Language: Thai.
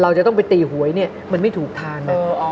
เราจะต้องไปตีหวยเนี่ยมันไม่ถูกทาน